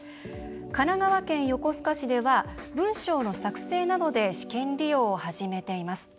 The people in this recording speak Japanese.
神奈川県横須賀市では文章の作成などで試験利用を始めています。